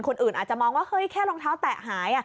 คนอื่นอาจจะมองว่าแค่รองเท้าแตะหาย